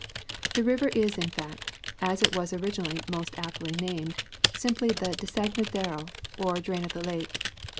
The river is in fact, as it was originally most aptly named, simply the " Desaguadero " or drain of the Lake.